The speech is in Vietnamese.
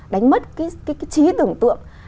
đánh mất cái trí tưởng tượng